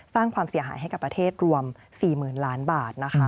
สร้างความเสียหายให้กับประเทศรวม๔๐๐๐ล้านบาทนะคะ